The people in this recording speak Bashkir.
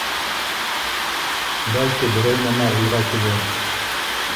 Бәлки, берәй нәмә уйға килер.